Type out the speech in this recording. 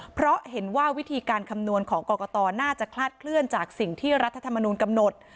เพราะเห็นว่าวิธีการคำนวณของกรกตน่าจะคลาดเคลื่อนจากสิ่งที่รัฐธรรมนูลกำหนด